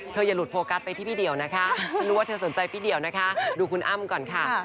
อย่าหลุดโฟกัสไปที่พี่เดี่ยวนะคะไม่รู้ว่าเธอสนใจพี่เดี่ยวนะคะดูคุณอ้ำก่อนค่ะ